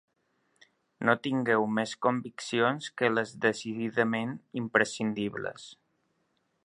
No tingueu més conviccions que les decididament impresicndibles.